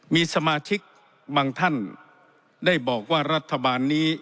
มีสมาชิกบางท่านได้บอกว่ารัฐบาลนี้